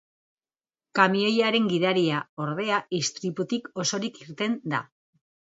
Kamioiaren gidaria, ordea, istriputik osorik irten da.